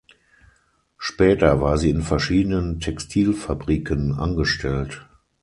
Später war sie in verschiedenen Textilfabriken angestellt.